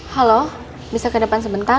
halo bisa ke depan sebentar